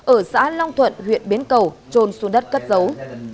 ở xã long thuận huyện biến cầu trôn xuống đất cất giấu